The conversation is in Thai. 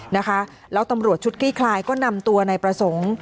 วก็ตำรวจชุดคลี้นคลายก็นำตัวนายประสงค์